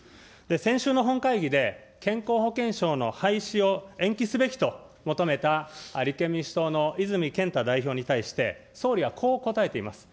先週の本会議で、健康保険証の廃止を延期すべきと求めた立憲民主党の泉健太代表に対して、総理はこう答えています。